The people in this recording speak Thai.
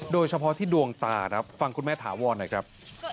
โดยเฉพาะที่ดวงตาครับฟังคุณแม่ถาวรหน่อยครับ